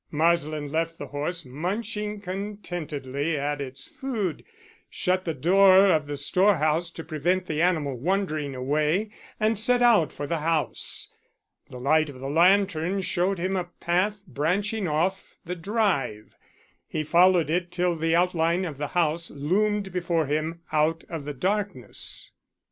Marsland left the horse munching contentedly at its food, shut the door of the storehouse to prevent the animal wandering away, and set out for the house. The light of the lantern showed him a path branching off the drive. He followed it till the outline of the house loomed before him out of the darkness.